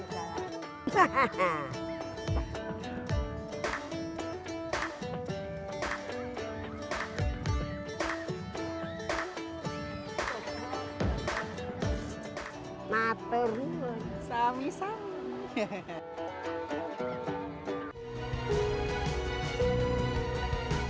sampai jumpa di video berikutnya